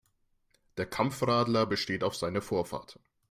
Der Kampfradler besteht auf seine Vorfahrt.